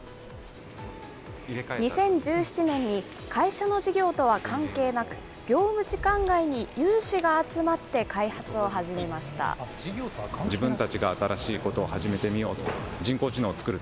２０１７年に会社の事業とは関係なく、業務時間外に有志が集まって開発を始めました。